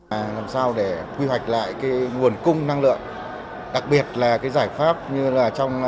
làm sao để quy hoạch lại nguồn cung năng lượng đặc biệt là cái giải pháp như là trong